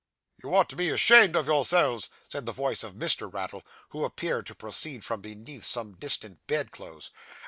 'You ought to be ashamed of yourselves,' said the voice of Mr. Raddle, which appeared to proceed from beneath some distant bed clothes.